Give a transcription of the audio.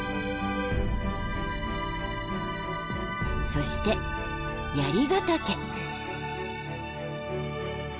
そしてヶ岳。